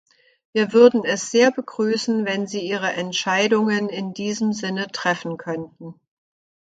Wir würden es sehr begrüßen, wenn Sie Ihre Entscheidungen in diesem Sinne treffen könnten.